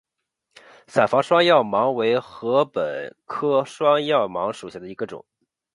伞房双药芒为禾本科双药芒属下的一个种。